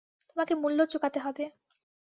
তোমাকে মূল্য চুকাতে হবে।